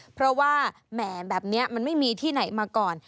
เพราะว่าแหมแบบนี้มันไม่มีที่ไหนมาก่อน